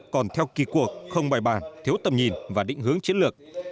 còn theo kỳ cuộc không bài bản thiếu tầm nhìn và định hướng chiến lược